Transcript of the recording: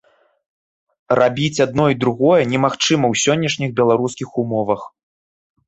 Рабіць адно і другое немагчыма ў сённяшніх беларускіх умовах.